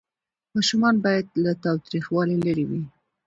ماشومان باید له تاوتریخوالي لرې وي.